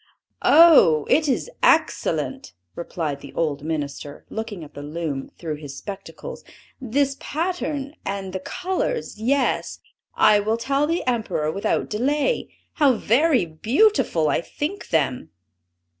"Oh, it is excellent!" replied the old minister, looking at the loom through his spectacles. "This pattern, and the colors, yes, I will tell the Emperor without delay, how very beautiful I think them."